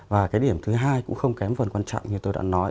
và cái điểm thứ hai cũng không kém phần quan trọng như tôi đã nói